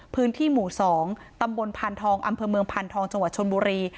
พื้นที่หมูสองตำวนพันธองอำเวิมเมืองพันธองจนวัตรชนบุรี